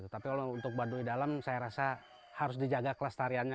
tapi kalau untuk baduy dalam saya rasa harus dijaga kelestariannya